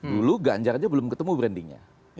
lalu ganjarannya belum ketemu brandingnya